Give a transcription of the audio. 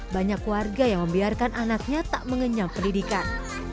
banyak warga yang membiarkan anaknya tak mengenyam pendidikan